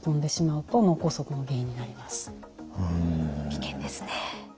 危険ですね。